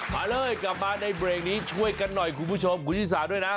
มาเลยกลับมาในเบรกนี้ช่วยกันหน่อยคุณผู้ชมคุณชิสาด้วยนะ